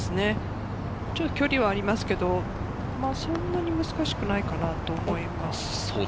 ちょっと距離はありますけれど、そんなに難しくないかなと思います。